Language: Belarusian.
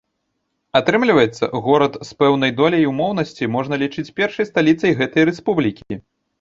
Атрымліваецца, горад з пэўнай доляй умоўнасці можна лічыць першай сталіцай гэтай рэспублікі.